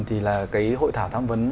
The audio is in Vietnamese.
thì là cái hội thảo tham vấn